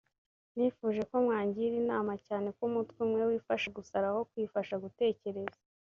nifuje ko mwangira inama cyane ko umutwe umwe wifasha gusara aho kwifasha gutekereza